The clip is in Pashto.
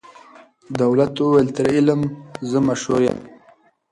دولت وویل تر علم زه مشهور یم